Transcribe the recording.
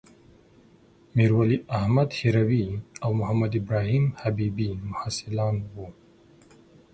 میرولی احمد هروي او محمدابراهیم حبيبي محصلان وو.